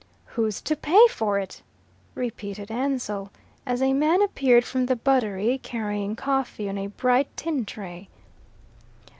"Who's to pay for it?" repeated Ansell, as a man appeared from the Buttery carrying coffee on a bright tin tray.